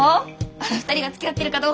あの２人がつきあってるかどうか。